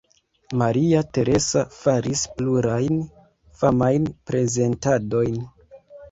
Maria Teresa faris plurajn famajn prezentadojn.